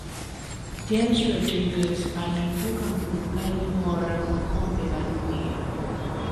james rodriguez aliibuka mfungaji bora wa kombe la dunia